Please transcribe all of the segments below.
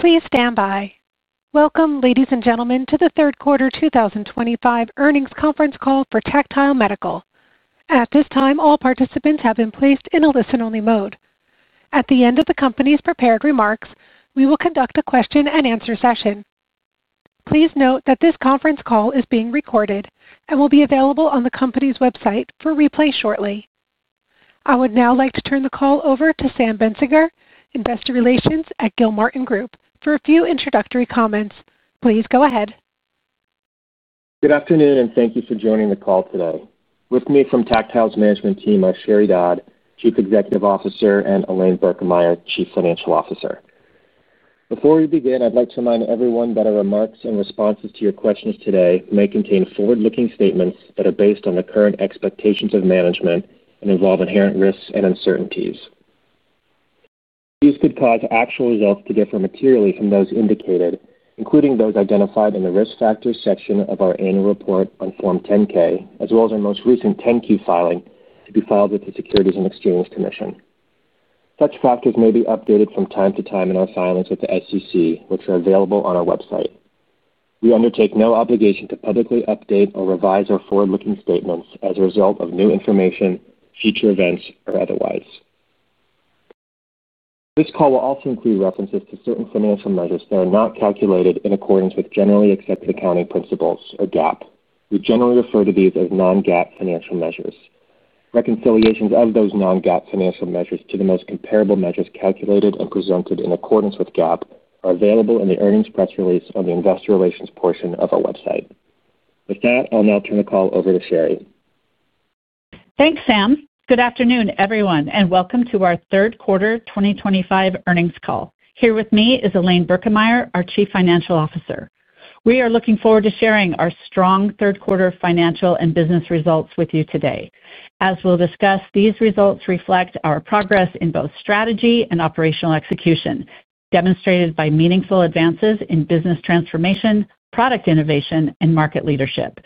Please stand by. Welcome, ladies and gentlemen, to the third quarter 2025 earnings conference call for Tactile Medical. At this time, all participants have been placed in a listen-only mode. At the end of the company's prepared remarks, we will conduct a question-and-answer session. Please note that this conference call is being recorded and will be available on the company's website for replay shortly. I would now like to turn the call over to Sam Bensinger, Investor Relations at Gilmartin Group, for a few introductory comments. Please go ahead. Good afternoon, and thank you for joining the call today. With me from Tactile's management team, I'm Sheri Dodd, Chief Executive Officer, and Elaine Birkemeyer, Chief Financial Officer. Before we begin, I'd like to remind everyone that our remarks and responses to your questions today may contain forward-looking statements that are based on the current expectations of management and involve inherent risks and uncertainties. These could cause actual results to differ materially from those indicated, including those identified in the risk factors section of our annual report on Form 10-K, as well as our most recent 10-Q filing to be filed with the Securities and Exchange Commission. Such factors may be updated from time to time in our filings with the SEC, which are available on our website. We undertake no obligation to publicly update or revise our forward-looking statements as a result of new information, future events, or otherwise. This call will also include references to certain financial measures that are not calculated in accordance with generally accepted accounting principles, or GAAP. We generally refer to these as non-GAAP financial measures. Reconciliations of those non-GAAP financial measures to the most comparable measures calculated and presented in accordance with GAAP are available in the earnings press release on the Investor Relations portion of our website. With that, I'll now turn the call over to Sheri. Thanks, Sam. Good afternoon, everyone, and welcome to our third quarter 2025 earnings call. Here with me is Elaine Birkemeyer, our Chief Financial Officer. We are looking forward to sharing our strong third quarter financial and business results with you today. As we'll discuss, these results reflect our progress in both strategy and operational execution, demonstrated by meaningful advances in business transformation, product innovation, and market leadership.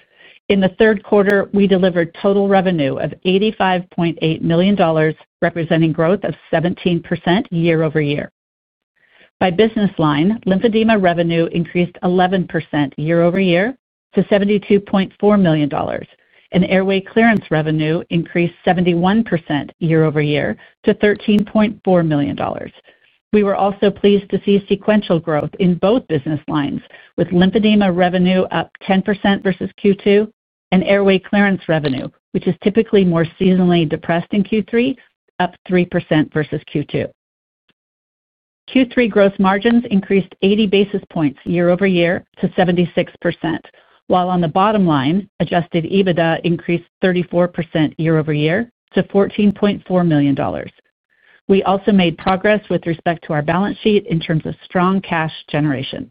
In the third quarter, we delivered total revenue of $85.8 million, representing growth of 17% year-over-year. By business line, lymphedema revenue increased 11% year-over-year to $72.4 million, and airway clearance revenue increased 71% year-over-year to $13.4 million. We were also pleased to see sequential growth in both business lines, with lymphedema revenue up 10% versus Q2, and airway clearance revenue, which is typically more seasonally depressed in Q3, up 3% versus Q2. Q3 gross margins increased 80 basis points year-over-year to 76%, while on the bottom line, adjusted EBITDA increased 34% year-over-year to $14.4 million. We also made progress with respect to our balance sheet in terms of strong cash generation.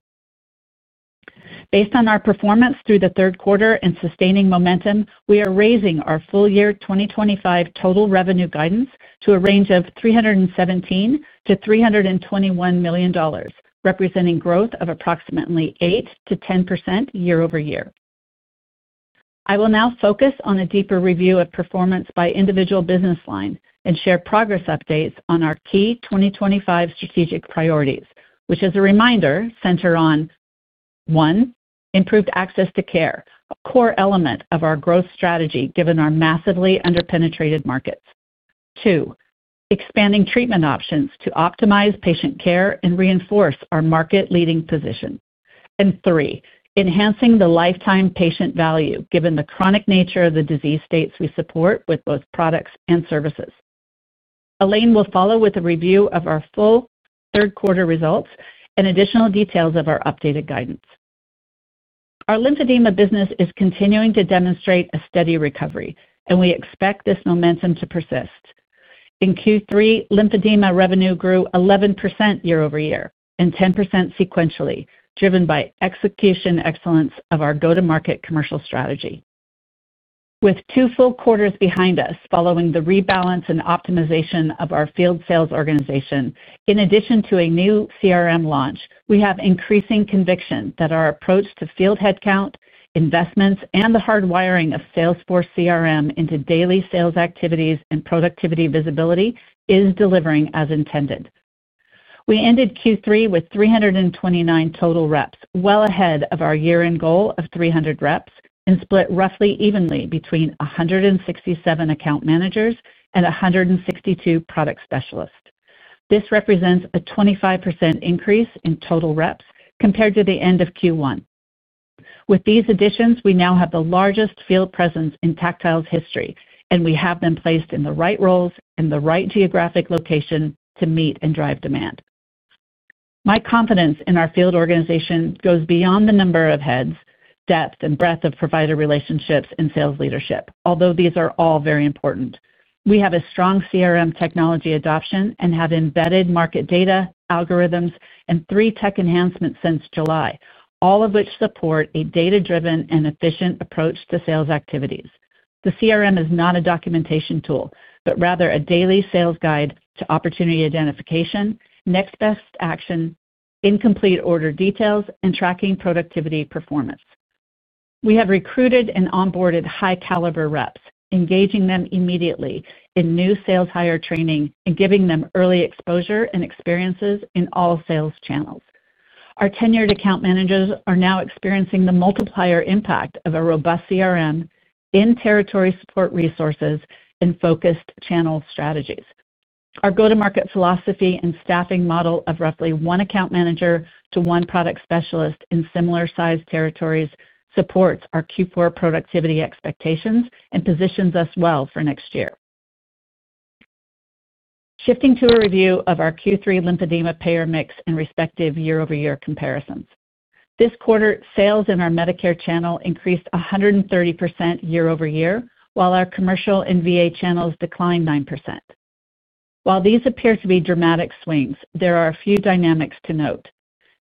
Based on our performance through the third quarter and sustaining momentum, we are raising our full year 2025 total revenue guidance to a range of $317 million-$321 million, representing growth of approximately 8%-10% year-over-year. I will now focus on a deeper review of performance by individual business line and share progress updates on our key 2025 strategic priorities, which, as a reminder, center on. One, improved access to care, a core element of our growth strategy given our massively underpenetrated markets. Two, expanding treatment options to optimize patient care and reinforce our market-leading position. And three, enhancing the lifetime patient value given the chronic nature of the disease states we support with both products and services. Elaine will follow with a review of our full third quarter results and additional details of our updated guidance. Our lymphedema business is continuing to demonstrate a steady recovery, and we expect this momentum to persist. In Q3, lymphedema revenue grew 11% year-over-year and 10% sequentially, driven by execution excellence of our go-to-market commercial strategy. With two full quarters behind us following the rebalance and optimization of our field sales organization, in addition to a new CRM launch, we have increasing conviction that our approach to field headcount, investments, and the hardwiring of Salesforce CRM into daily sales activities and productivity visibility is delivering as intended. We ended Q3 with 329 total reps, well ahead of our year-end goal of 300 reps, and split roughly evenly between 167 account managers and 162 product specialists. This represents a 25% increase in total reps compared to the end of Q1. With these additions, we now have the largest field presence in Tactile's history, and we have them placed in the right roles and the right geographic location to meet and drive demand. My confidence in our field organization goes beyond the number of heads, depth, and breadth of provider relationships and sales leadership, although these are all very important. We have a strong CRM technology adoption and have embedded market data, algorithms, and three tech enhancements since July, all of which support a data-driven and efficient approach to sales activities. The CRM is not a documentation tool, but rather a daily sales guide to opportunity identification, next best action, incomplete order details, and tracking productivity performance. We have recruited and onboarded high-caliber reps, engaging them immediately in new sales hire training and giving them early exposure and experiences in all sales channels. Our tenured account managers are now experiencing the multiplier impact of a robust CRM, in-territory support resources, and focused channel strategies. Our go-to-market philosophy and staffing model of roughly one account manager to one product specialist in similar-sized territories supports our Q4 productivity expectations and positions us well for next year. Shifting to a review of our Q3 lymphedema payer mix and respective year-over-year comparisons. This quarter, sales in our Medicare channel increased 130% year-over-year, while our commercial and VA channels declined 9%. While these appear to be dramatic swings, there are a few dynamics to note.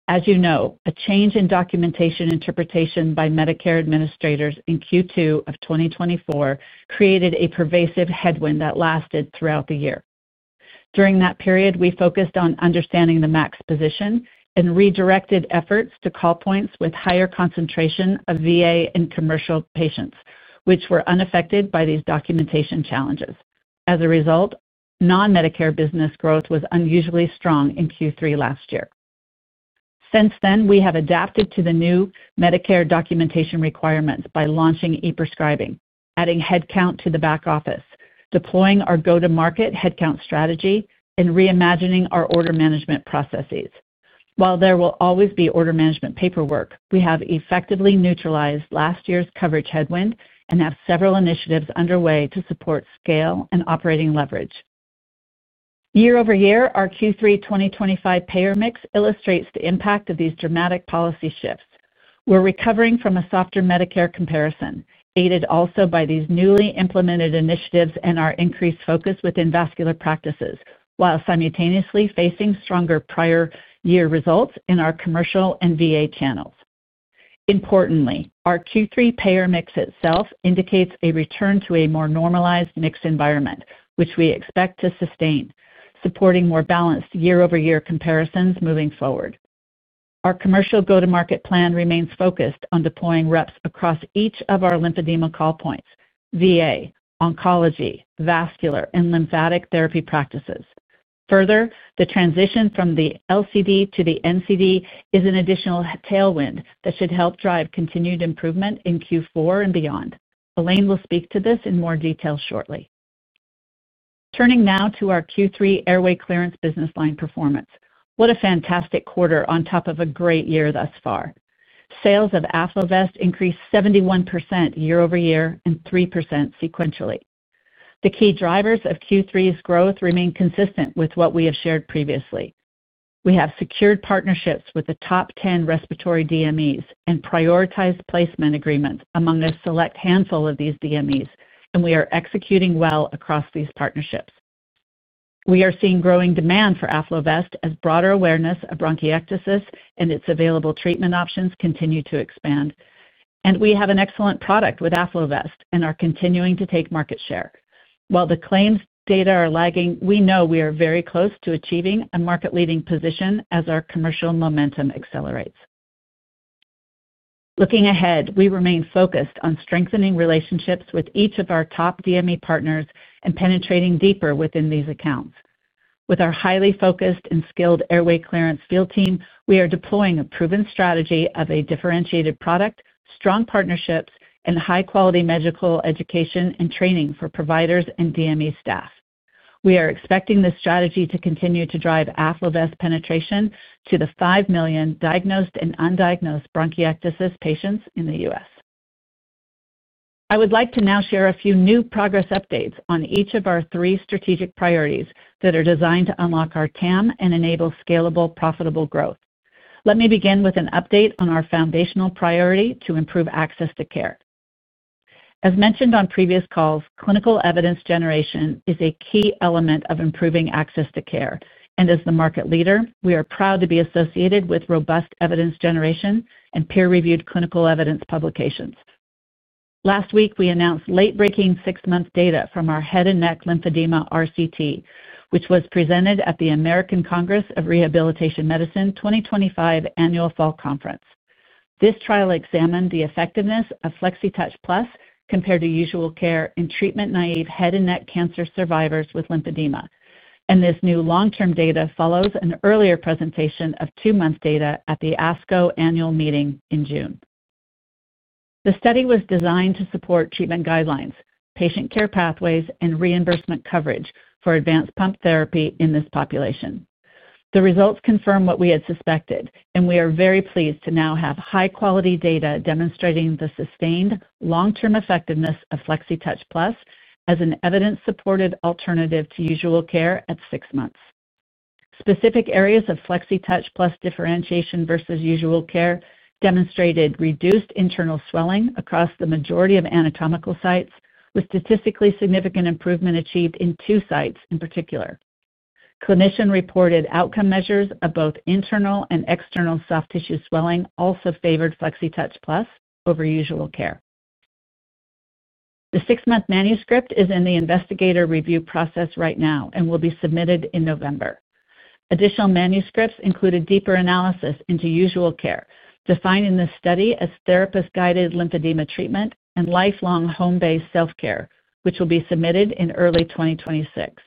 As you know, a change in documentation interpretation by Medicare administrators in Q2 of 2024 created a pervasive headwind that lasted throughout the year. During that period, we focused on understanding the max position and redirected efforts to call points with higher concentration of VA and commercial patients, which were unaffected by these documentation challenges. As a result, non-Medicare business growth was unusually strong in Q3 last year. Since then, we have adapted to the new Medicare documentation requirements by launching e-prescribing, adding headcount to the back office, deploying our go-to-market headcount strategy, and reimagining our order management processes. While there will always be order management paperwork, we have effectively neutralized last year's coverage headwind and have several initiatives underway to support scale and operating leverage. year-over-year, our Q3 2025 payer mix illustrates the impact of these dramatic policy shifts. We're recovering from a softer Medicare comparison, aided also by these newly implemented initiatives and our increased focus within vascular practices, while simultaneously facing stronger prior-year results in our commercial and VA channels. Importantly, our Q3 payer mix itself indicates a return to a more normalized mixed environment, which we expect to sustain, supporting more balanced year-over-year comparisons moving forward. Our commercial go-to-market plan remains focused on deploying reps across each of our lymphedema call points: VA, oncology, vascular, and lymphatic therapy practices. Further, the transition from the LCD to the NCD is an additional tailwind that should help drive continued improvement in Q4 and beyond. Elaine will speak to this in more detail shortly. Turning now to our Q3 airway clearance business line performance. What a fantastic quarter on top of a great year thus far. Sales of AffloVest increased 71% year-over-year and 3% sequentially. The key drivers of Q3's growth remain consistent with what we have shared previously. We have secured partnerships with the top 10 respiratory DMEs and prioritized placement agreements among a select handful of these DMEs, and we are executing well across these partnerships. We are seeing growing demand for AffloVest as broader awareness of bronchiectasis and its available treatment options continue to expand. We have an excellent product with AffloVest and are continuing to take market share. While the claims data are lagging, we know we are very close to achieving a market-leading position as our commercial momentum accelerates. Looking ahead, we remain focused on strengthening relationships with each of our top DME partners and penetrating deeper within these accounts. With our highly focused and skilled airway clearance field team, we are deploying a proven strategy of a differentiated product, strong partnerships, and high-quality medical education and training for providers and DME staff. We are expecting this strategy to continue to drive AffloVest penetration to the 5 million diagnosed and undiagnosed bronchiectasis patients in the U.S. I would like to now share a few new progress updates on each of our three strategic priorities that are designed to unlock our TAM and enable scalable, profitable growth. Let me begin with an update on our foundational priority to improve access to care. As mentioned on previous calls, clinical evidence generation is a key element of improving access to care, and as the market leader, we are proud to be associated with robust evidence generation and peer-reviewed clinical evidence publications. Last week, we announced late-breaking six-month data from our head and neck lymphedema RCT, which was presented at the American Congress of Rehabilitation Medicine 2025 annual fall conference. This trial examined the effectiveness of Flexitouch Plus compared to usual care in treatment-naive head and neck cancer survivors with lymphedema, and this new long-term data follows an earlier presentation of two-month data at the ASCO annual meeting in June. The study was designed to support treatment guidelines, patient care pathways, and reimbursement coverage for advanced pump therapy in this population. The results confirm what we had suspected, and we are very pleased to now have high-quality data demonstrating the sustained long-term effectiveness of Flexitouch Plus as an evidence-supported alternative to usual care at six months. Specific areas of Flexitouch Plus differentiation versus usual care demonstrated reduced internal swelling across the majority of anatomical sites, with statistically significant improvement achieved in two sites in particular. Clinician-reported outcome measures of both internal and external soft tissue swelling also favored Flexitouch Plus over usual care. The six-month manuscript is in the investigator review process right now and will be submitted in November. Additional manuscripts include a deeper analysis into usual care, defining this study as therapist-guided lymphedema treatment and lifelong home-based self-care, which will be submitted in early 2026.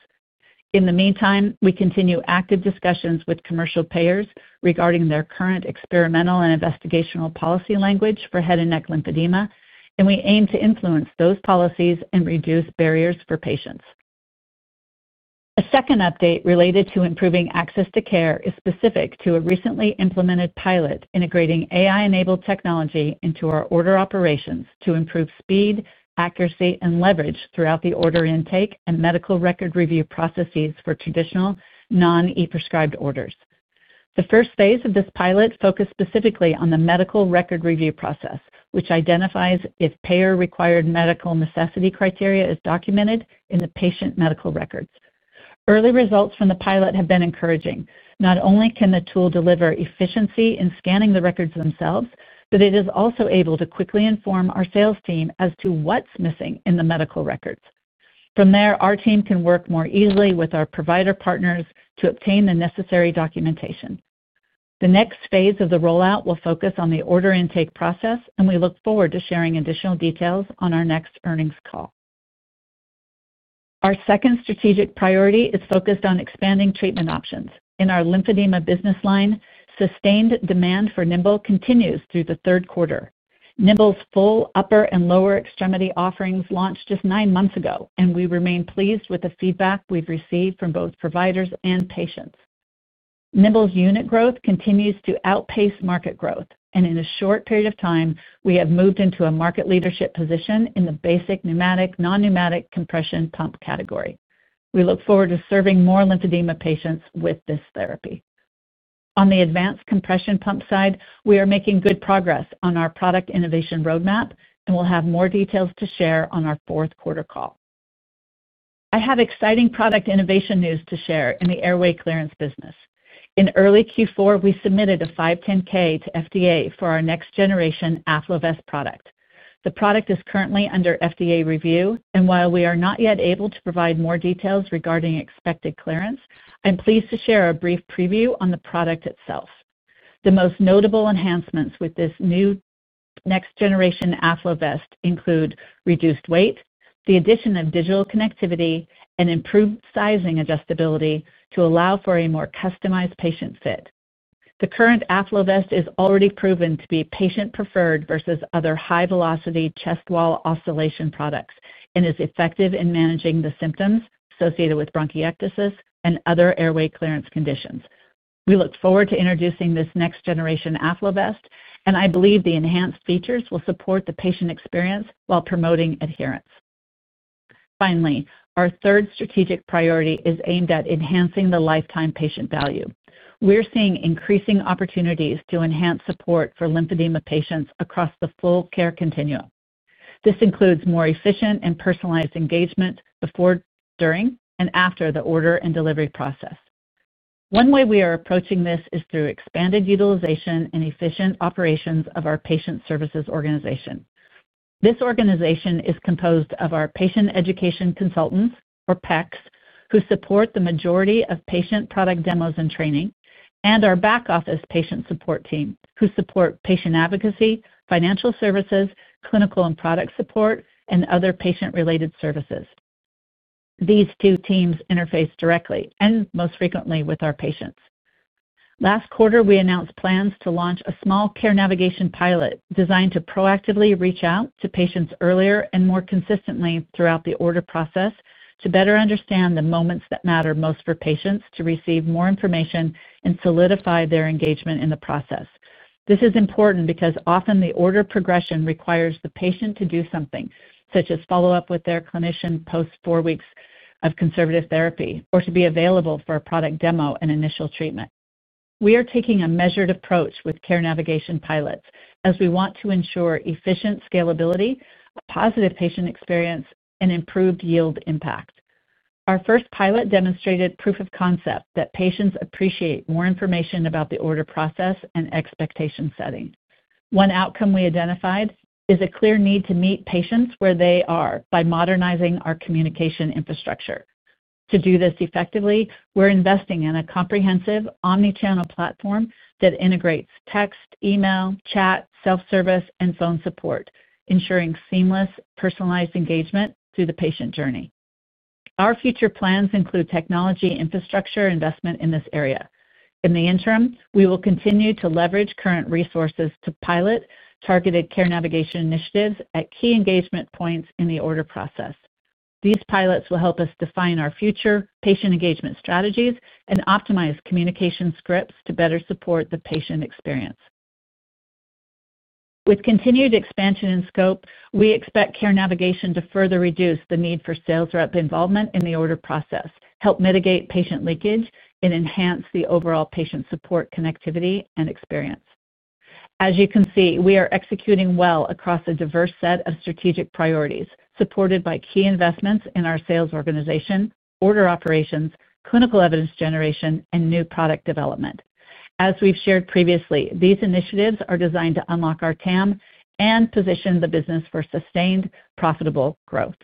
In the meantime, we continue active discussions with commercial payers regarding their current experimental and investigational policy language for head and neck lymphedema, and we aim to influence those policies and reduce barriers for patients. A second update related to improving access to care is specific to a recently implemented pilot integrating AI-enabled technology into our order operations to improve speed, accuracy, and leverage throughout the order intake and medical record review processes for traditional non-e-prescribed orders. The first phase of this pilot focused specifically on the medical record review process, which identifies if payer-required medical necessity criteria is documented in the patient medical records. Early results from the pilot have been encouraging. Not only can the tool deliver efficiency in scanning the records themselves, but it is also able to quickly inform our sales team as to what's missing in the medical records. From there, our team can work more easily with our provider partners to obtain the necessary documentation. The next phase of the rollout will focus on the order intake process, and we look forward to sharing additional details on our next earnings call. Our second strategic priority is focused on expanding treatment options. In our lymphedema business line, sustained demand for Nimbl continues through the third quarter. Nimbl's full upper and lower extremity offerings launched just nine months ago, and we remain pleased with the feedback we've received from both providers and patients. Nimbl's unit growth continues to outpace market growth, and in a short period of time, we have moved into a market leadership position in the basic pneumatic, non-pneumatic compression pump category. We look forward to serving more lymphedema patients with this therapy. On the advanced compression pump side, we are making good progress on our product innovation roadmap, and we'll have more details to share on our fourth quarter call. I have exciting product innovation news to share in the airway clearance business. In early Q4, we submitted a 510(k) to FDA for our next-generation AffloVest product. The product is currently under FDA review, and while we are not yet able to provide more details regarding expected clearance, I'm pleased to share a brief preview on the product itself. The most notable enhancements with this new next-generation AffloVest include reduced weight, the addition of digital connectivity, and improved sizing adjustability to allow for a more customized patient fit. The current AffloVest is already proven to be patient-preferred versus other high-velocity chest wall oscillation products and is effective in managing the symptoms associated with bronchiectasis and other airway clearance conditions. We look forward to introducing this next-generation AffloVest, and I believe the enhanced features will support the patient experience while promoting adherence. Finally, our third strategic priority is aimed at enhancing the lifetime patient value. We're seeing increasing opportunities to enhance support for lymphedema patients across the full care continuum. This includes more efficient and personalized engagement before, during, and after the order and delivery process. One way we are approaching this is through expanded utilization and efficient operations of our patient services organization. This organization is composed of our patient education consultants, or PECs, who support the majority of patient product demos and training, and our back office patient support team, who support patient advocacy, financial services, clinical and product support, and other patient-related services. These two teams interface directly and most frequently with our patients. Last quarter, we announced plans to launch a small care navigation pilot designed to proactively reach out to patients earlier and more consistently throughout the order process to better understand the moments that matter most for patients to receive more information and solidify their engagement in the process. This is important because often the order progression requires the patient to do something, such as follow up with their clinician post four weeks of conservative therapy or to be available for a product demo and initial treatment. We are taking a measured approach with care navigation pilots as we want to ensure efficient scalability, a positive patient experience, and improved yield impact. Our first pilot demonstrated proof of concept that patients appreciate more information about the order process and expectation setting. One outcome we identified is a clear need to meet patients where they are by modernizing our communication infrastructure. To do this effectively, we're investing in a comprehensive omnichannel platform that integrates text, email, chat, self-service, and phone support, ensuring seamless personalized engagement through the patient journey. Our future plans include technology infrastructure investment in this area. In the interim, we will continue to leverage current resources to pilot targeted care navigation initiatives at key engagement points in the order process. These pilots will help us define our future patient engagement strategies and optimize communication scripts to better support the patient experience. With continued expansion in scope, we expect care navigation to further reduce the need for sales rep involvement in the order process, help mitigate patient leakage, and enhance the overall patient support connectivity and experience. As you can see, we are executing well across a diverse set of strategic priorities supported by key investments in our sales organization, order operations, clinical evidence generation, and new product development. As we've shared previously, these initiatives are designed to unlock our TAM and position the business for sustained profitable growth.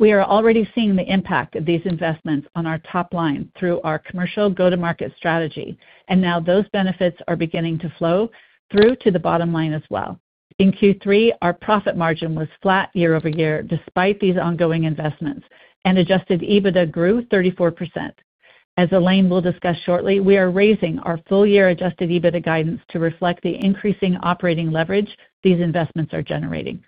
We are already seeing the impact of these investments on our top line through our commercial go-to-market strategy, and now those benefits are beginning to flow through to the bottom line as well. In Q3, our profit margin was flat year-over-year despite these ongoing investments, and adjusted EBITDA grew 34%. As Elaine will discuss shortly, we are raising our full-year adjusted EBITDA guidance to reflect the increasing operating leverage these investments are generating.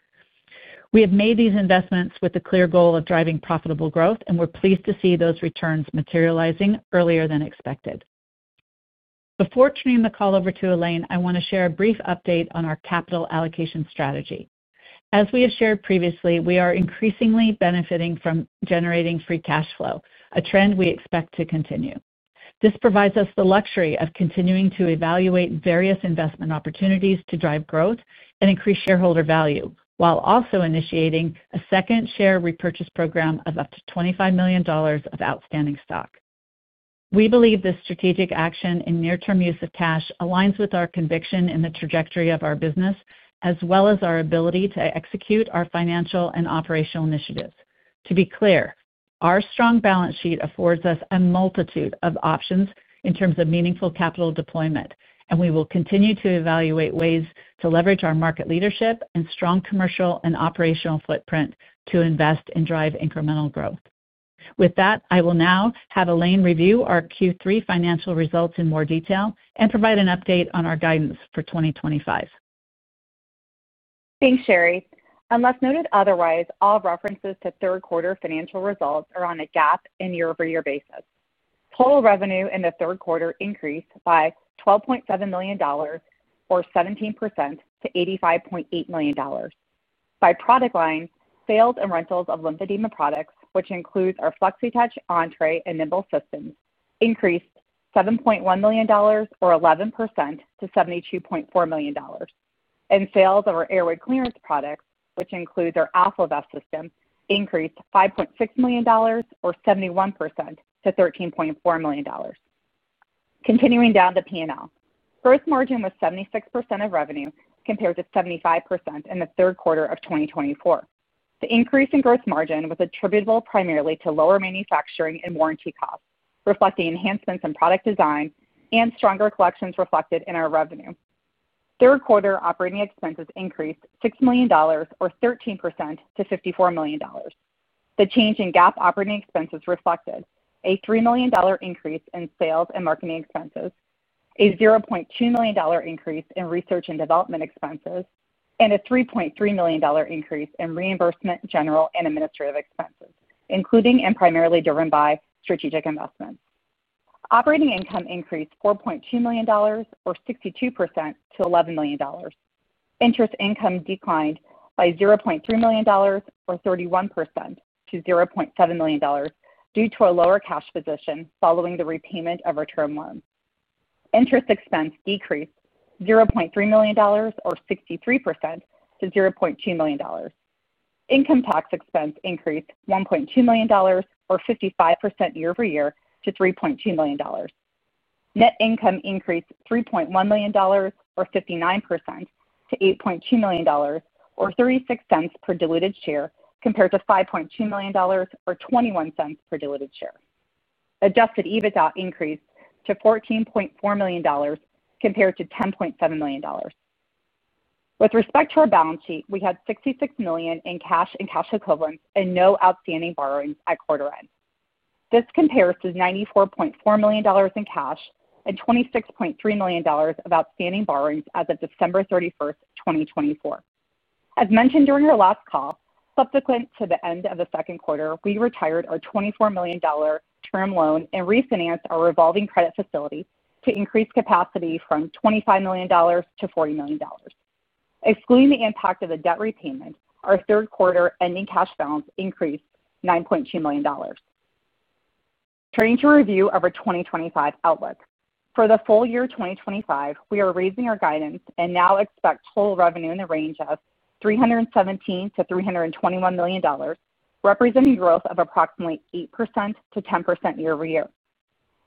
We have made these investments with the clear goal of driving profitable growth, and we're pleased to see those returns materializing earlier than expected. Before turning the call over to Elaine, I want to share a brief update on our capital allocation strategy. As we have shared previously, we are increasingly benefiting from generating free cash flow, a trend we expect to continue. This provides us the luxury of continuing to evaluate various investment opportunities to drive growth and increase shareholder value while also initiating a second share repurchase program of up to $25 million of outstanding stock. We believe this strategic action and near-term use of cash aligns with our conviction in the trajectory of our business as well as our ability to execute our financial and operational initiatives. To be clear, our strong balance sheet affords us a multitude of options in terms of meaningful capital deployment, and we will continue to evaluate ways to leverage our market leadership and strong commercial and operational footprint to invest and drive incremental growth. With that, I will now have Elaine review our Q3 financial results in more detail and provide an update on our guidance for 2025. Thanks, Sheri. Unless noted otherwise, all references to third-quarter financial results are on a GAAP and year-over-year basis. Total revenue in the third quarter increased by $12.7 million, or 17%, to $85.8 million. By product line, sales and rentals of lymphedema products, which includes our Flexitouch, Entrée, and Nimbl systems, increased $7.1 million, or 11%, to $72.4 million. Sales of our airway clearance products, which includes our AffloVest system, increased $5.6 million, or 71%, to $13.4 million. Continuing down the P&L, gross margin was 76% of revenue compared to 75% in the third quarter of 2024. The increase in gross margin was attributable primarily to lower manufacturing and warranty costs, reflecting enhancements in product design and stronger collections reflected in our revenue. Third-quarter operating expenses increased $6 million, or 13%, to $54 million. The change in GAAP operating expenses reflected a $3 million increase in sales and marketing expenses, a $0.2 million increase in research and development expenses, and a $3.3 million increase in reimbursement, general, and administrative expenses, including and primarily driven by strategic investments. Operating income increased $4.2 million, or 62%, to $11 million. Interest income declined by $0.3 million, or 31%, to $0.7 million due to a lower cash position following the repayment of a term loan. Interest expense decreased $0.3 million, or 63%, to $0.2 million. Income tax expense increased $1.2 million, or 55% year-over-year, to $3.2 million. Net income increased $3.1 million, or 59%, to $8.2 million, or $0.36 per diluted share compared to $5.2 million, or $0.21 per diluted share. Adjusted EBITDA increased to $14.4 million compared to $10.7 million. With respect to our balance sheet, we had $66 million in cash and cash equivalents and no outstanding borrowings at quarter end. This compares to $94.4 million in cash and $26.3 million of outstanding borrowings as of December 31st, 2024. As mentioned during our last call, subsequent to the end of the second quarter, we retired our $24 million term loan and refinanced our revolving credit facility to increase capacity from $25 million-$40 million. Excluding the impact of the debt repayment, our third-quarter ending cash balance increased $9.2 million. Turning to review of our 2025 outlook. For the full year 2025, we are raising our guidance and now expect total revenue in the range of $317 million-$321 million, representing growth of approximately 8%-10% year-over-year.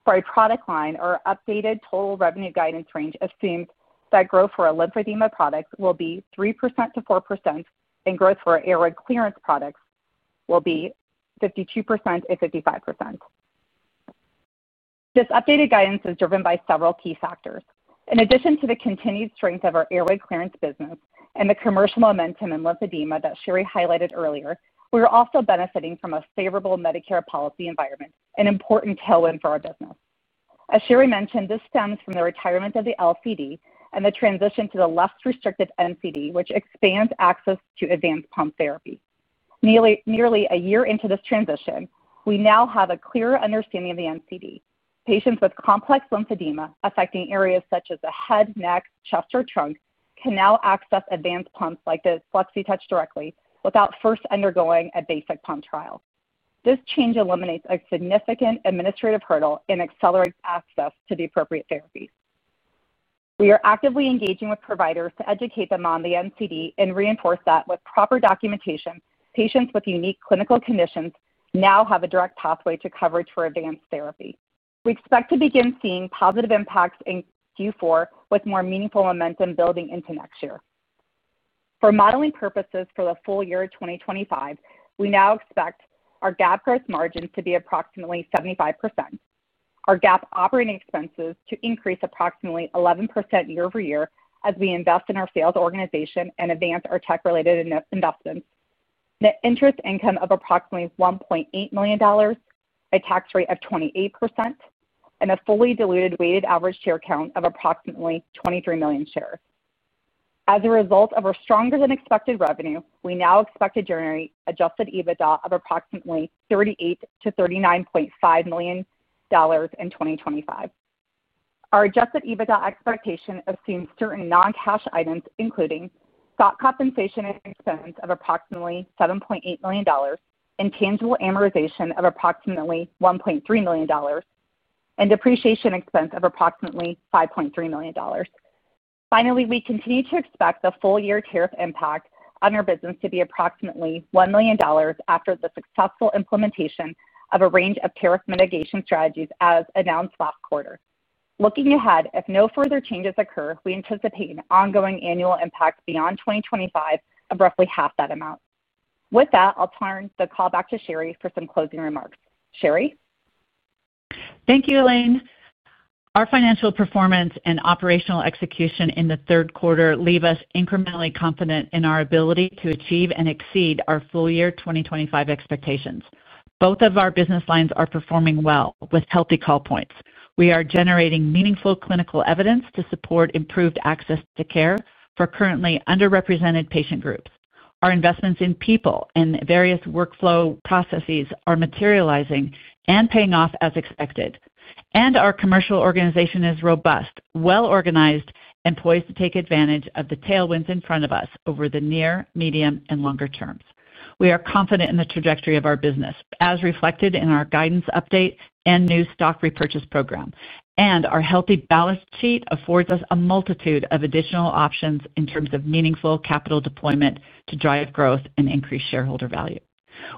For our product line, our updated total revenue guidance range assumes that growth for our lymphedema products will be 3%-4%, and growth for our airway clearance products will be 52%-55%. This updated guidance is driven by several key factors. In addition to the continued strength of our airway clearance business and the commercial momentum in lymphedema that Sheri highlighted earlier, we are also benefiting from a favorable Medicare policy environment, an important tailwind for our business. As Sheri mentioned, this stems from the retirement of the LCD and the transition to the less restrictive NCD, which expands access to advanced pump therapy. Nearly a year into this transition, we now have a clearer understanding of the NCD. Patients with complex lymphedema affecting areas such as the head, neck, chest, or trunk can now access advanced pumps like the Flexitouch directly without first undergoing a basic pump trial. This change eliminates a significant administrative hurdle and accelerates access to the appropriate therapies. We are actively engaging with providers to educate them on the NCD and reinforce that with proper documentation. Patients with unique clinical conditions now have a direct pathway to coverage for advanced therapy. We expect to begin seeing positive impacts in Q4 with more meaningful momentum building into next year. For modeling purposes for the full year of 2025, we now expect our GAAP gross margin to be approximately 75%. Our GAAP operating expenses to increase approximately 11% year-over-year as we invest in our sales organization and advance our tech-related investments. The interest income of approximately $1.8 million, a tax rate of 28%, and a fully diluted weighted average share count of approximately 23 million shares. As a result of our stronger-than-expected revenue, we now expect to generate adjusted EBITDA of approximately $38 million-$39.5 million in 2025. Our adjusted EBITDA expectation assumes certain non-cash items, including stock compensation expense of approximately $7.8 million, intangible amortization of approximately $1.3 million, and depreciation expense of approximately $5.3 million. Finally, we continue to expect the full-year tariff impact on our business to be approximately $1 million after the successful implementation of a range of tariff mitigation strategies as announced last quarter. Looking ahead, if no further changes occur, we anticipate an ongoing annual impact beyond 2025 of roughly half that amount. With that, I'll turn the call back to Sheri for some closing remarks. Sheri? Thank you, Elaine. Our financial performance and operational execution in the third quarter leave us incrementally confident in our ability to achieve and exceed our full-year 2025 expectations. Both of our business lines are performing well with healthy call points. We are generating meaningful clinical evidence to support improved access to care for currently underrepresented patient groups. Our investments in people and various workflow processes are materializing and paying off as expected. Our commercial organization is robust, well-organized, and poised to take advantage of the tailwinds in front of us over the near, medium, and longer terms. We are confident in the trajectory of our business, as reflected in our guidance update and new stock repurchase program. Our healthy balance sheet affords us a multitude of additional options in terms of meaningful capital deployment to drive growth and increase shareholder value.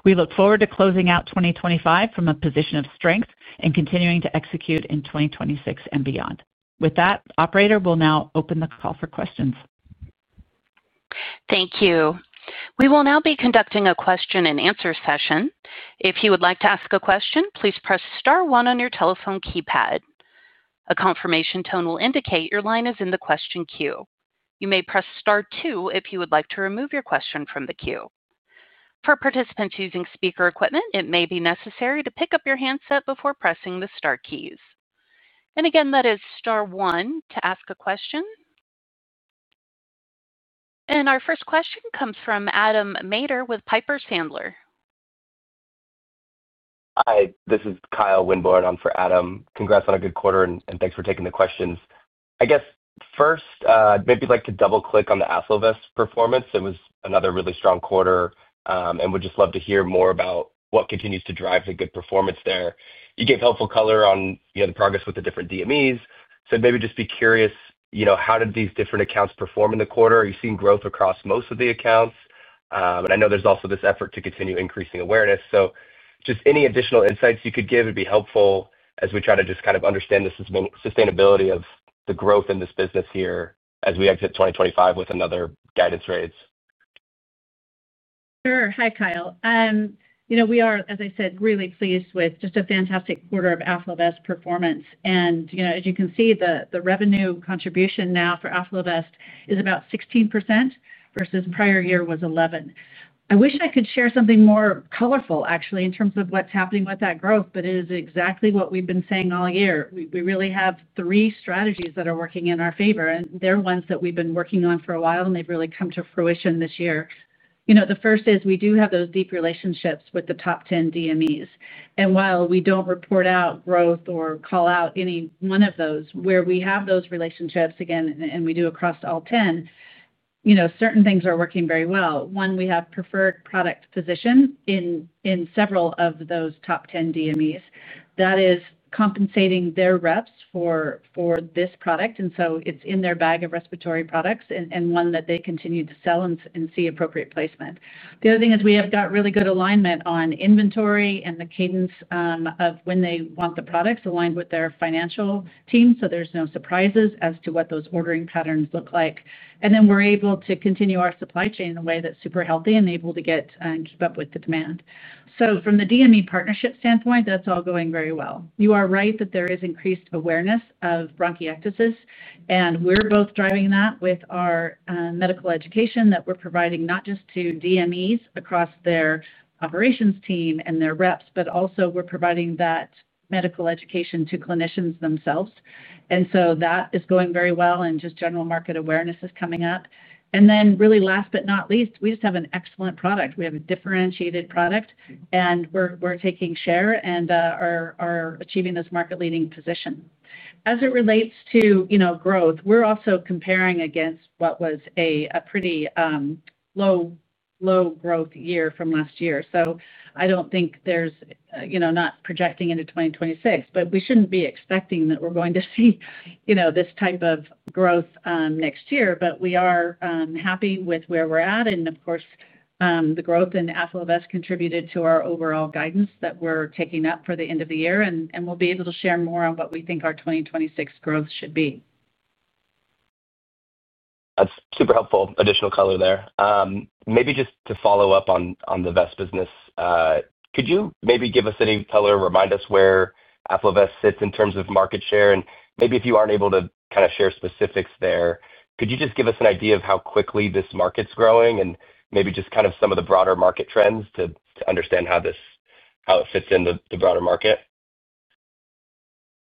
We look forward to closing out 2025 from a position of strength and continuing to execute in 2026 and beyond. With that, Operator will now open the call for questions. Thank you. We will now be conducting a question-and-answer session. If you would like to ask a question, please press star one on your telephone keypad. A confirmation tone will indicate your line is in the question queue. You may press star two if you would like to remove your question from the queue. For participants using speaker equipment, it may be necessary to pick up your handset before pressing the star keys. Again, that is star one to ask a question. Our first question comes from Adam Mader with Piper Sandler. Hi, this is Kyle Wynborne. I'm for Adam. Congrats on a good quarter, and thanks for taking the questions. I guess first, I'd maybe like to double-click on the AffloVest performance. It was another really strong quarter, and we'd just love to hear more about what continues to drive the good performance there. You gave helpful color on the progress with the different DMEs. Maybe just be curious, how did these different accounts perform in the quarter? Are you seeing growth across most of the accounts? I know there's also this effort to continue increasing awareness. Any additional insights you could give would be helpful as we try to just kind of understand the sustainability of the growth in this business here as we exit 2025 with another guidance raise. Sure. Hi, Kyle. We are, as I said, really pleased with just a fantastic quarter of AffloVest performance. As you can see, the revenue contribution now for AffloVest is about 16% versus prior year was 11%. I wish I could share something more colorful, actually, in terms of what's happening with that growth, but it is exactly what we've been saying all year. We really have three strategies that are working in our favor, and they're ones that we've been working on for a while, and they've really come to fruition this year. The first is we do have those deep relationships with the top 10 DMEs. While we do not report out growth or call out any one of those where we have those relationships, again, and we do across all 10, certain things are working very well. One, we have preferred product position in several of those top 10 DMEs. That is compensating their reps for this product, and so it is in their bag of respiratory products and one that they continue to sell and see appropriate placement. The other thing is we have got really good alignment on inventory and the cadence of when they want the products aligned with their financial team, so there are no surprises as to what those ordering patterns look like. We are able to continue our supply chain in a way that is super healthy and able to get and keep up with the demand. From the DME partnership standpoint, that is all going very well. You are right that there is increased awareness of bronchiectasis, and we are both driving that with our medical education that we are providing not just to DMEs across their operations team and their reps, but also we are providing that medical education to clinicians themselves. That is going very well, and just general market awareness is coming up. Really, last but not least, we just have an excellent product. We have a differentiated product, and we are taking share and are achieving this market-leading position. As it relates to growth, we are also comparing against what was a pretty low growth year from last year. I do not think there is not projecting into 2026, but we should not be expecting that we are going to see this type of growth next year. We are happy with where we are at. Of course, the growth in AffloVest has contributed to our overall guidance that we are taking up for the end of the year, and we will be able to share more on what we think our 2026 growth should be. That is super helpful additional color there. Maybe just to follow up on the vest business. Could you maybe give us any color or remind us where AffloVest sits in terms of market share? Maybe if you are not able to kind of share specifics there, could you just give us an idea of how quickly this market is growing and maybe just kind of some of the broader market trends to understand how it fits in the broader market?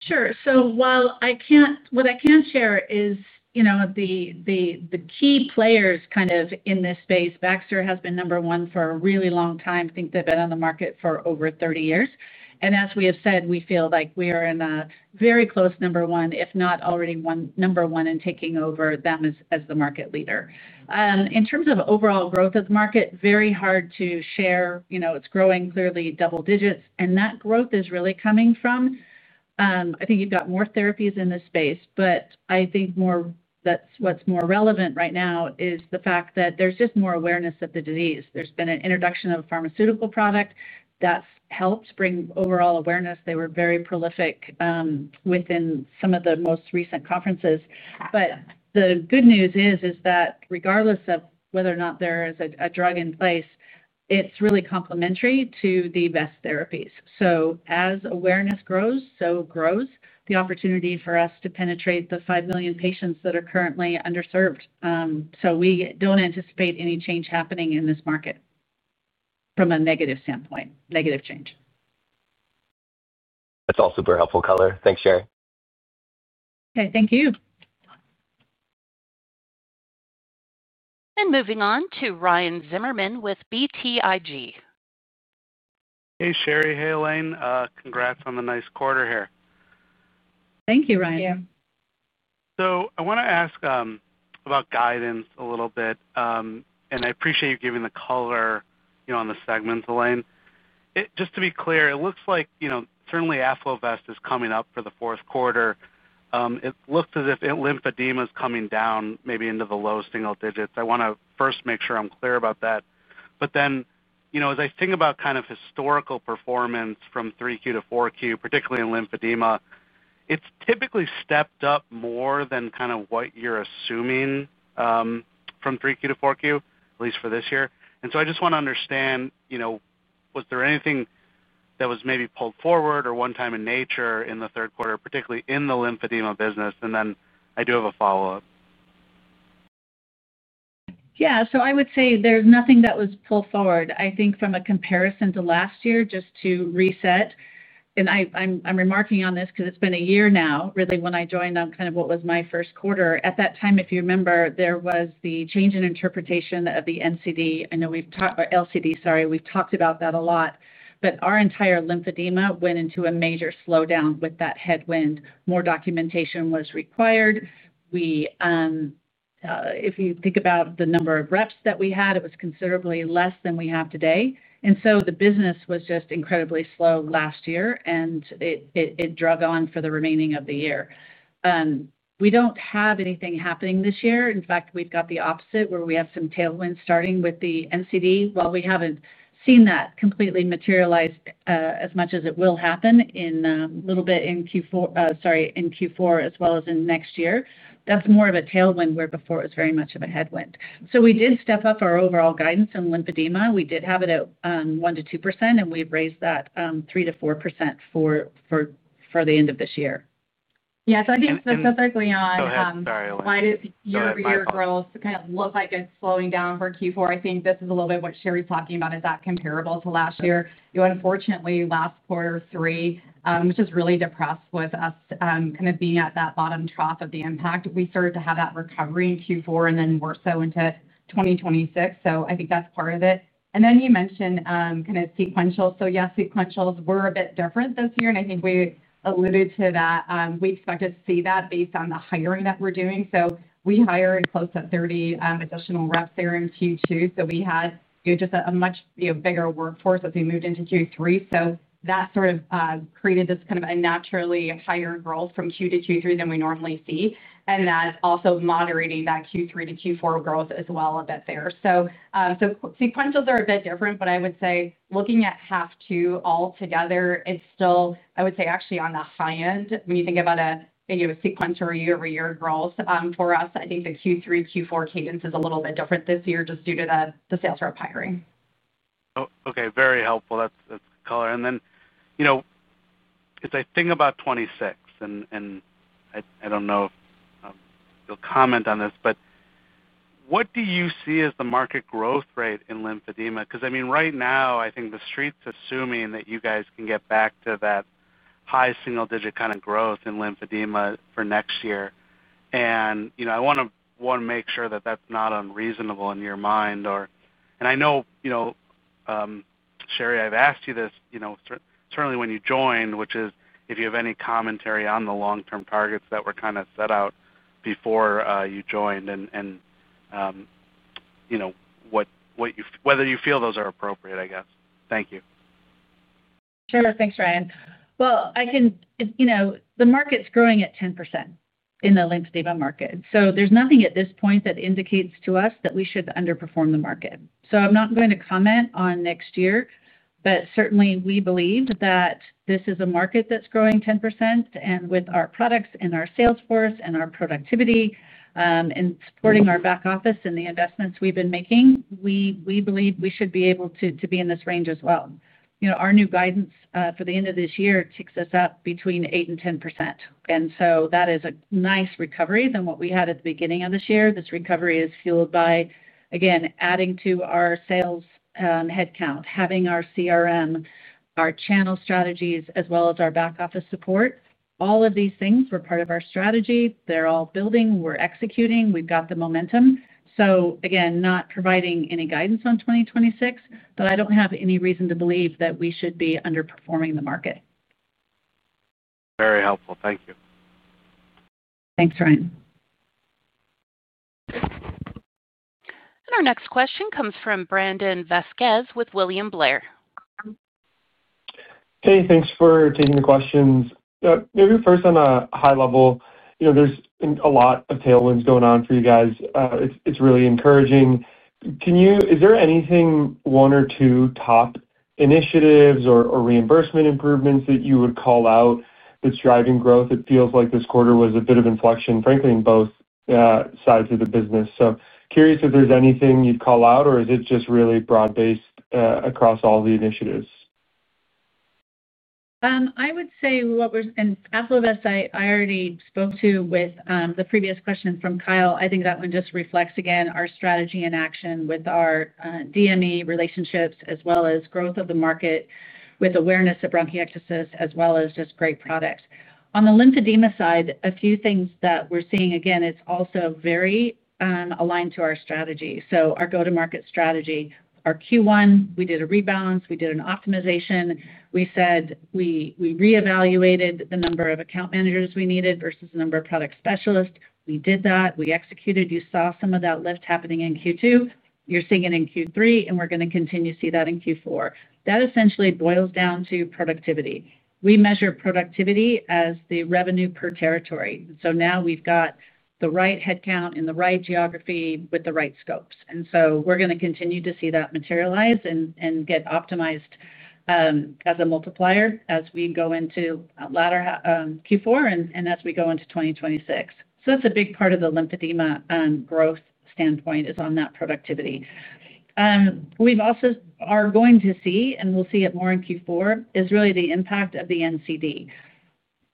Sure. What I can share is the key players kind of in this space. Baxter has been number one for a really long time. I think they have been on the market for over 30 years. As we have said, we feel like we are in a very close number one, if not already number one, in taking over them as the market leader. In terms of overall growth of the market, very hard to share. It is growing clearly double digits. That growth is really coming from. I think you've got more therapies in this space, but I think what's more relevant right now is the fact that there's just more awareness of the disease. There's been an introduction of a pharmaceutical product that's helped bring overall awareness. They were very prolific within some of the most recent conferences. The good news is that regardless of whether or not there is a drug in place, it's really complementary to the vest therapies. As awareness grows, so grows the opportunity for us to penetrate the 5 million patients that are currently underserved. We do not anticipate any change happening in this market from a negative standpoint, negative change. That's all super helpful color. Thanks, Sheri. Okay. Thank you. Moving on to Ryan Zimmerman with BTIG. Hey, Sheri. Hey, Elaine. Congrats on the nice quarter here. Thank you, Ryan. Thank you. I want to ask about guidance a little bit. I appreciate you giving the color on the segments, Elaine. Just to be clear, it looks like certainly AffloVest is coming up for the fourth quarter. It looks as if lymphedema is coming down maybe into the low single digits. I want to first make sure I'm clear about that. As I think about kind of historical performance from 3Q to 4Q, particularly in lymphedema, it's typically stepped up more than kind of what you're assuming. From 3Q to 4Q, at least for this year. I just want to understand. Was there anything that was maybe pulled forward or one-time in nature in the third quarter, particularly in the lymphedema business? I do have a follow-up. Yeah. I would say there's nothing that was pulled forward. I think from a comparison to last year, just to reset, and I'm remarking on this because it's been a year now, really, when I joined on kind of what was my first quarter. At that time, if you remember, there was the change in interpretation of the NCD. I know we've talked about LCD, sorry, we've talked about that a lot. Our entire lymphedema went into a major slowdown with that headwind. More documentation was required. If you think about the number of reps that we had, it was considerably less than we have today. The business was just incredibly slow last year, and it drug on for the remaining of the year. We do not have anything happening this year. In fact, we've got the opposite where we have some tailwind starting with the NCD. While we have not seen that completely materialize as much as it will happen a little bit in Q4, sorry, in Q4 as well as in next year, that's more of a tailwind where before it was very much of a headwind. We did step up our overall guidance on lymphedema. We did have it at 1%-2%, and we've raised that 3%-4% for the end of this year. Yeah. I think specifically on—go ahead. Sorry, Elaine. Why does your growth kind of look like it's slowing down for Q4? I think this is a little bit of what Sheri's talking about. Is that comparable to last year? Unfortunately, last quarter three, which is really depressed with us kind of being at that bottom trough of the impact. We started to have that recovery in Q4 and then more so into 2026. I think that's part of it. You mentioned kind of sequential. Yes, sequentials were a bit different this year. I think we alluded to that. We expect to see that based on the hiring that we're doing. We hired close to 30 additional reps there in Q2. We had just a much bigger workforce as we moved into Q3. That sort of created this kind of a naturally higher growth from Q2 to Q3 than we normally see. That's also moderating that Q3 to Q4 growth as well a bit there. Sequentials are a bit different, but I would say looking at half two altogether, it's still, I would say, actually on the high end when you think about a sequential year-over-year growth for us. I think the Q3, Q4 cadence is a little bit different this year just due to the sales rep hiring. Okay. Very helpful. That's good color. I think about 26. I don't know if you'll comment on this, but what do you see as the market growth rate in lymphedema? Because, I mean, right now, I think the street's assuming that you guys can get back to that high single-digit kind of growth in lymphedema for next year. I want to make sure that that's not unreasonable in your mind. I know, Sheri, I've asked you this certainly when you joined, which is if you have any commentary on the long-term targets that were kind of set out before you joined and whether you feel those are appropriate, I guess. Thank you. Sure. Thanks, Ryan. The market's growing at 10% in the lymphedema market. There's nothing at this point that indicates to us that we should underperform the market. I'm not going to comment on next year, but certainly, we believe that this is a market that's growing 10%. With our products and our sales force and our productivity, and supporting our back office and the investments we've been making, we believe we should be able to be in this range as well. Our new guidance for the end of this year takes us up between 8%-10%. That is a nice recovery than what we had at the beginning of this year. This recovery is fueled by, again, adding to our sales headcount, having our CRM, our channel strategies, as well as our back office support. All of these things were part of our strategy. They're all building. We're executing. We've got the momentum. Again, not providing any guidance on 2026, but I don't have any reason to believe that we should be underperforming the market. Very helpful. Thank you. Thanks, Ryan. Our next question comes from Brandon Vasquez with William Blair. Hey, thanks for taking the questions. Maybe first on a high level, there's a lot of tailwinds going on for you guys. It's really encouraging. Is there anything, one or two top initiatives or reimbursement improvements that you would call out that's driving growth? It feels like this quarter was a bit of inflection, frankly, in both sides of the business. Curious if there's anything you'd call out, or is it just really broad-based across all the initiatives? I would say what was in Afshin's, I already spoke to with the previous question from Kyle. I think that one just reflects, again, our strategy in action with our DME relationships, as well as growth of the market with awareness of bronchiectasis, as well as just great products. On the lymphedema side, a few things that we're seeing, again, it's also very aligned to our strategy. Our go-to-market strategy, our Q1, we did a rebalance. We did an optimization. We said we re-evaluated the number of account managers we needed versus the number of product specialists. We did that. We executed. You saw some of that lift happening in Q2. You're seeing it in Q3, and we're going to continue to see that in Q4. That essentially boils down to productivity. We measure productivity as the revenue per territory. Now we've got the right headcount in the right geography with the right scopes. We're going to continue to see that materialize and get optimized as a multiplier as we go into Q4 and as we go into 2026. That's a big part of the lymphedema growth standpoint is on that productivity. We also are going to see, and we'll see it more in Q4, really the impact of the NCD.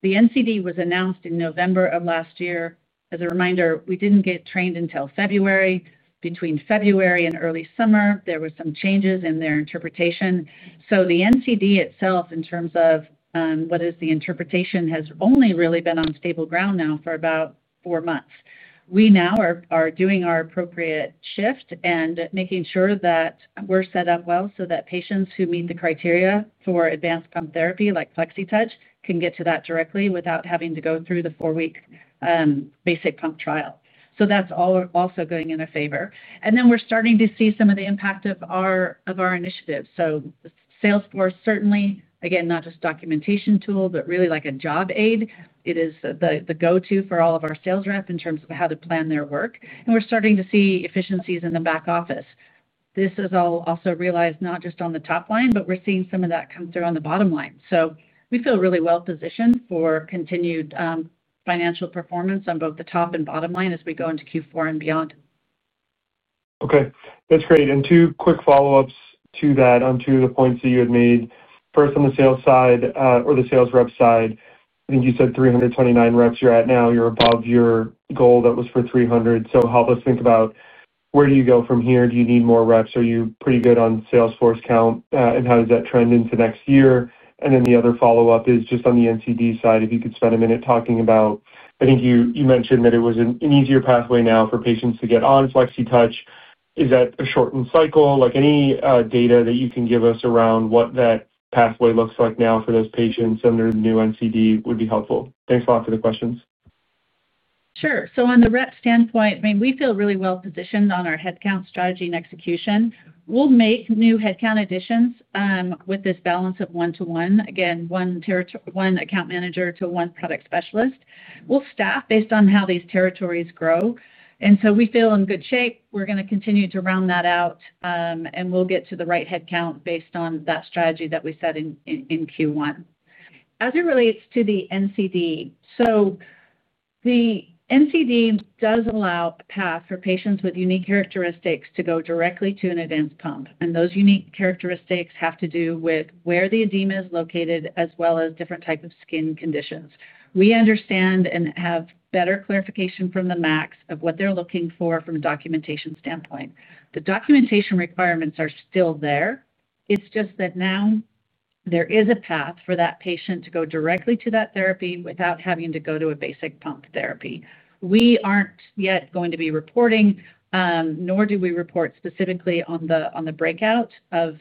The NCD was announced in November of last year. As a reminder, we didn't get trained until February. Between February and early summer, there were some changes in their interpretation. The NCD itself, in terms of what is the interpretation, has only really been on stable ground now for about four months. We now are doing our appropriate shift and making sure that we're set up well so that patients who meet the criteria for advanced pump therapy, like Flexitouch, can get to that directly without having to go through the four-week basic pump trial. That's also going in our favor. We're starting to see some of the impact of our initiative. Salesforce, certainly, again, not just a documentation tool, but really like a job aid. It is the go-to for all of our sales reps in terms of how to plan their work. We're starting to see efficiencies in the back office. This is all also realized not just on the top line, but we're seeing some of that come through on the bottom line. We feel really well-positioned for continued financial performance on both the top and bottom line as we go into Q4 and beyond. Okay. That's great. Two quick follow-ups to that onto the points that you had made. First, on the sales side or the sales rep side, I think you said 329 reps you're at now. You're above your goal that was for 300. Help us think about where do you go from here. Do you need more reps? Are you pretty good on Salesforce count? How does that trend into next year? The other follow-up is just on the NCD side, if you could spend a minute talking about, I think you mentioned that it was an easier pathway now for patients to get on Flexitouch. Is that a shortened cycle? Any data that you can give us around what that pathway looks like now for those patients under the new NCD would be helpful. Thanks a lot for the questions. Sure. On the rep standpoint, I mean, we feel really well-positioned on our headcount strategy and execution. We'll make new headcount additions with this balance of one-to-one. Again, one account manager to one product specialist. We'll staff based on how these territories grow. We feel in good shape. We're going to continue to round that out. We'll get to the right headcount based on that strategy that we set in Q1. As it relates to the NCD, the NCD does allow a path for patients with unique characteristics to go directly to an advanced pump. Those unique characteristics have to do with where the edema is located as well as different types of skin conditions. We understand and have better clarification from the MACs of what they're looking for from a documentation standpoint. The documentation requirements are still there. It's just that now there is a path for that patient to go directly to that therapy without having to go to a basic pump therapy. We aren't yet going to be reporting, nor do we report specifically on the breakout of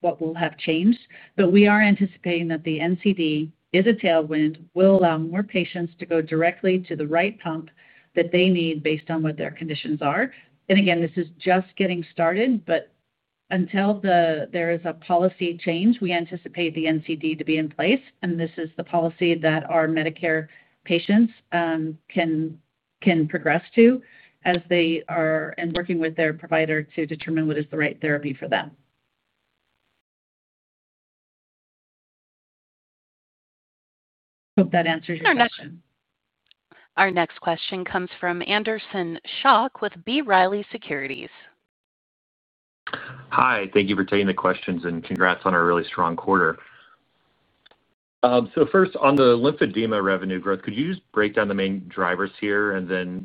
what will have changed. We are anticipating that the NCD is a tailwind, will allow more patients to go directly to the right pump that they need based on what their conditions are. Again, this is just getting started, but until there is a policy change, we anticipate the NCD to be in place. This is the policy that our Medicare patients can progress to as they are working with their provider to determine what is the right therapy for them. Hope that answers your question. Our next question comes from Anderson Schock with B. Riley Securities. Hi. Thank you for taking the questions and congrats on a really strong quarter. First, on the lymphedema revenue growth, could you just break down the main drivers here?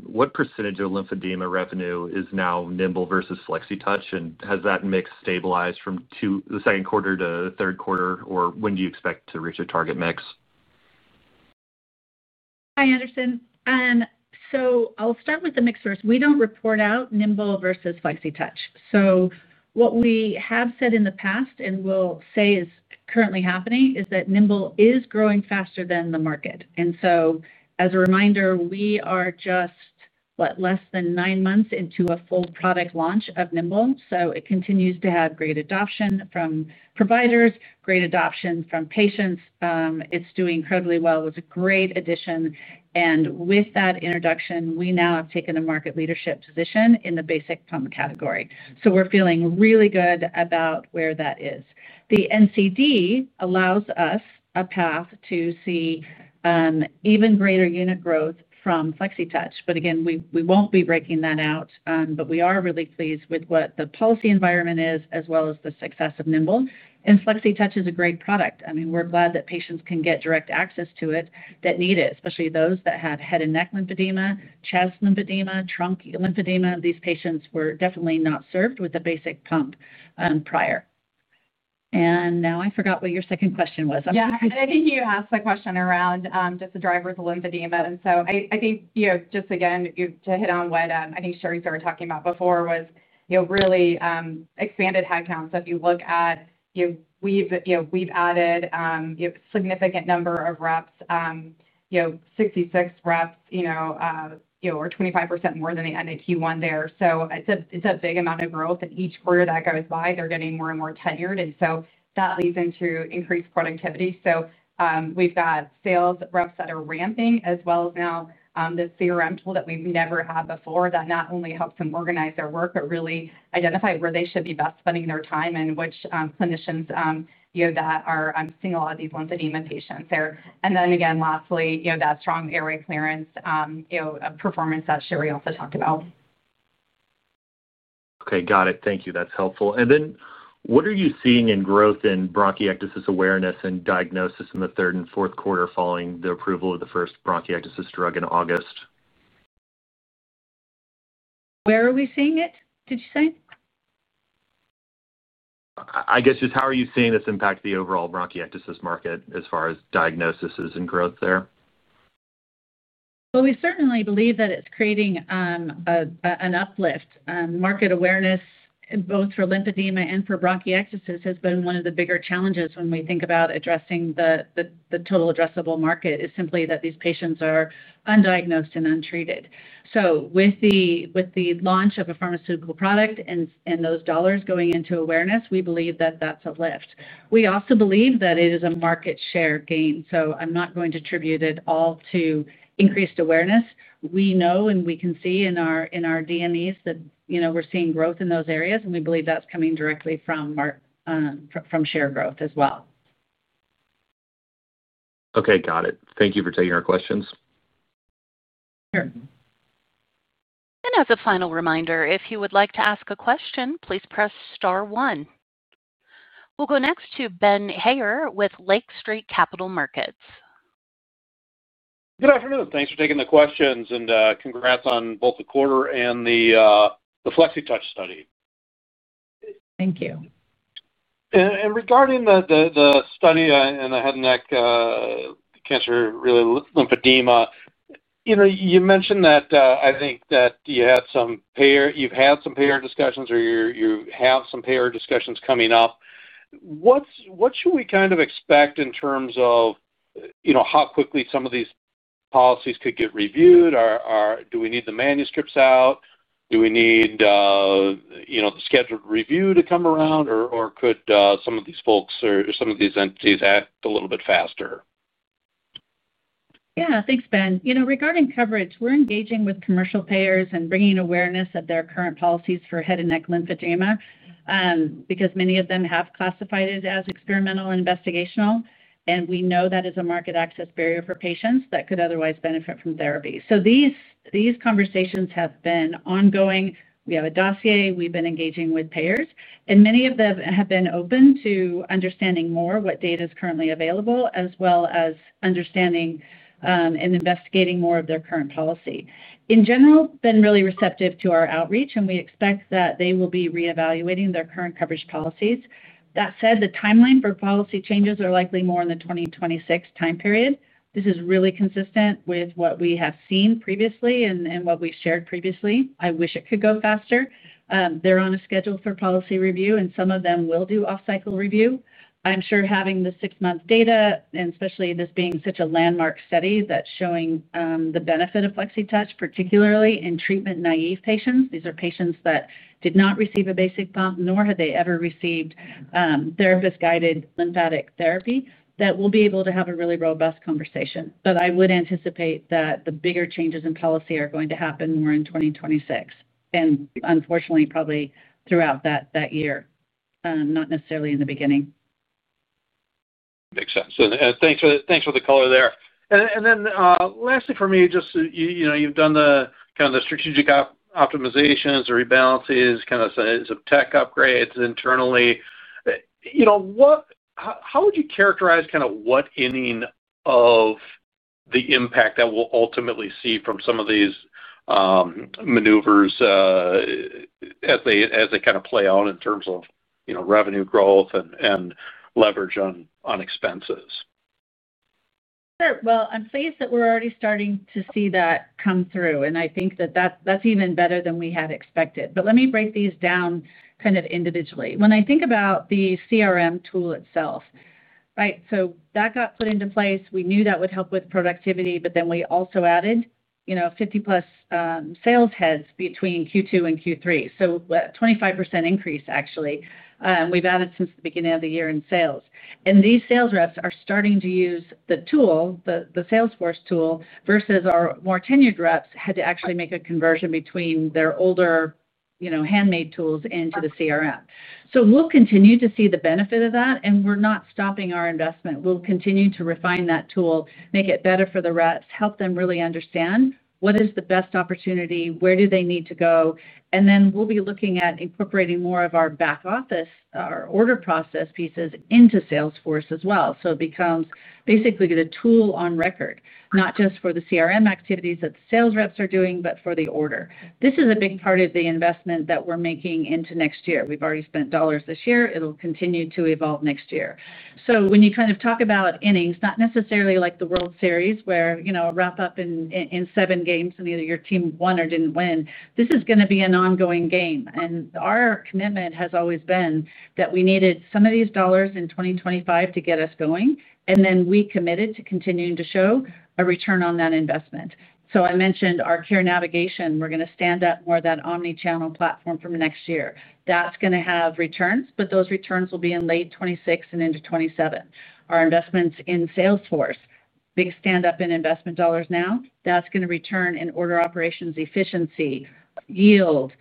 What percentage of lymphedema revenue is now Nimbl versus Flexitouch? Has that mix stabilized from the second quarter to the third quarter? When do you expect to reach a target mix? Hi, Anderson. I'll start with the mix first. We don't report out Nimbl versus Flexitouch. What we have said in the past and will say is currently happening is that Nimbl is growing faster than the market. As a reminder, we are just less than nine months into a full product launch of Nimbl. It continues to have great adoption from providers, great adoption from patients. It's doing incredibly well. It was a great addition. With that introduction, we now have taken a market leadership position in the basic pump category. We're feeling really good about where that is. The NCD allows us a path to see even greater unit growth from Flexitouch. Again, we won't be breaking that out. We are really pleased with what the policy environment is, as well as the success of Nimbl. Flexitouch is a great product. We're glad that patients can get direct access to it that need it, especially those that had head and neck lymphedema, chest lymphedema, trunk lymphedema. These patients were definitely not served with a basic pump prior. Now I forgot what your second question was. I'm sorry. I think you asked the question around just the drivers of lymphedema. Again, to hit on what I think Sheri's already talking about before was really expanded headcount. If you look at it, we've added a significant number of reps, 66 reps, or 25% more than the end of Q1 there. It's a big amount of growth. Each quarter that goes by, they're getting more and more tenured. That leads into increased productivity. We've got sales reps that are ramping, as well as now the CRM tool that we've never had before that not only helps them organize their work, but really identify where they should be best spending their time and which clinicians that are seeing a lot of these lymphedema patients there. Lastly, that strong airway clearance performance that Sheri also talked about. Okay. Got it. Thank you. That's helpful. What are you seeing in growth in bronchiectasis awareness and diagnosis in the third and fourth quarter following the approval of the first bronchiectasis drug in August? Where are we seeing it, did you say? I guess just how are you seeing this impact the overall bronchiectasis market as far as diagnosis and growth there? I certainly believe that it's creating an uplift. Market awareness, both for lymphedema and for bronchiectasis, has been one of the bigger challenges when we think about addressing the total addressable market, is simply that these patients are undiagnosed and untreated. With the launch of a pharmaceutical product and those dollars going into awareness, I believe that that's a lift. I also believe that it is a market share gain. I'm not going to attribute it all to increased awareness. We know and we can see in our DMEs that we're seeing growth in those areas. I believe that's coming directly from share growth as well. Okay. Got it. Thank you for taking our questions. Sure. As a final reminder, if you would like to ask a question, please press star one. We'll go next to Ben Haynor with Lake Street Capital Markets. Good afternoon. Thanks for taking the questions. Congrats on both the quarter and the Flexitouch study. Thank you. Regarding the study and the head and neck cancer, really lymphedema. You mentioned that I think that you had some payer, you've had some payer discussions or you have some payer discussions coming up. What should we kind of expect in terms of how quickly some of these policies could get reviewed? Do we need the manuscripts out? Do we need the scheduled review to come around? Or could some of these folks or some of these entities act a little bit faster? Yeah. Thanks, Ben. Regarding coverage, we're engaging with commercial payers and bringing awareness of their current policies for head and neck lymphedema. Many of them have classified it as experimental and investigational. We know that is a market access barrier for patients that could otherwise benefit from therapy. These conversations have been ongoing. We have a dossier. We've been engaging with payers. Many of them have been open to understanding more what data is currently available, as well as understanding and investigating more of their current policy. In general, been really receptive to our outreach, and we expect that they will be re-evaluating their current coverage policies. That said, the timeline for policy changes are likely more in the 2026 time period. This is really consistent with what we have seen previously and what we've shared previously. I wish it could go faster. They're on a schedule for policy review, and some of them will do off-cycle review. I'm sure having the six-month data, and especially this being such a landmark study that's showing the benefit of Flexitouch, particularly in treatment-naive patients, these are patients that did not receive a basic pump, nor have they ever received therapist-guided lymphatic therapy, that we'll be able to have a really robust conversation. I would anticipate that the bigger changes in policy are going to happen more in 2026. Unfortunately, probably throughout that year, not necessarily in the beginning. Makes sense. Thanks for the color there. Lastly for me, just you've done kind of the strategic optimizations, the rebalances, kind of some tech upgrades internally. How would you characterize kind of what inning of the impact that we'll ultimately see from some of these maneuvers as they kind of play out in terms of revenue growth and leverage on expenses? Sure. I'm pleased that we're already starting to see that come through. I think that that's even better than we had expected. Let me break these down kind of individually. When I think about the CRM tool itself, right, so that got put into place. We knew that would help with productivity, but then we also added 50+ sales heads between Q2 and Q3. A 25% increase, actually, we've added since the beginning of the year in sales. These sales reps are starting to use the tool, the Salesforce tool, versus our more tenured reps had to actually make a conversion between their older handmade tools into the CRM. We'll continue to see the benefit of that, and we're not stopping our investment. We'll continue to refine that tool, make it better for the reps, help them really understand what is the best opportunity, where do they need to go. We'll be looking at incorporating more of our back office or order process pieces into Salesforce as well. It becomes basically the tool on record, not just for the CRM activities that the sales reps are doing, but for the order. This is a big part of the investment that we're making into next year. We've already spent dollars this year. It'll continue to evolve next year. When you kind of talk about innings, not necessarily like the World Series where you wrap up in seven games and either your team won or didn't win, this is going to be an ongoing game. Our commitment has always been that we needed some of these dollars in 2025 to get us going. We committed to continuing to show a return on that investment. I mentioned our care navigation. We're going to stand up more of that omnichannel platform from next year. That's going to have returns, but those returns will be in late 2026 and into 2027. Our investments in Salesforce, big stand-up in investment dollars now, that's going to return in order operations efficiency, yield.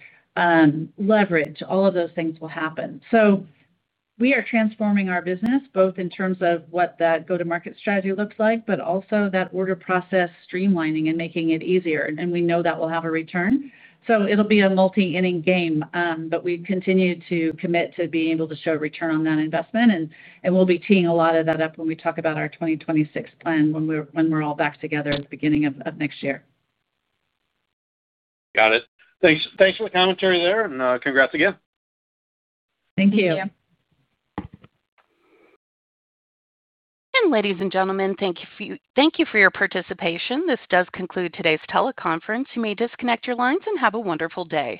Leverage, all of those things will happen. We are transforming our business, both in terms of what that go-to-market strategy looks like, but also that order process streamlining and making it easier. We know that will have a return. It'll be a multi-ending game, but we continue to commit to being able to show a return on that investment. We'll be teeing a lot of that up when we talk about our 2026 plan when we're all back together at the beginning of next year. Got it. Thanks for the commentary there. Congrats again. Thank you Thank you. Ladies and gentlemen, thank you for your participation. This does conclude today's teleconference. You may disconnect your lines and have a wonderful day.